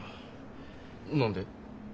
何で？